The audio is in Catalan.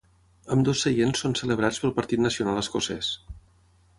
Ambdós seients són celebrats pel Partit Nacional escocès.